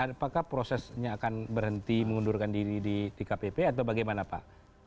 apakah prosesnya akan berhenti mengundurkan diri di dkpp atau bagaimana pak